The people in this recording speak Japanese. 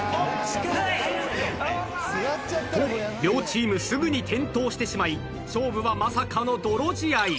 ［と両チームすぐに転倒してしまい勝負はまさかの泥仕合］